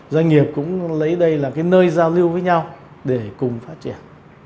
doanh nghiệp cũng lấy đây là cái nơi giao lưu với nhau để cùng phát triển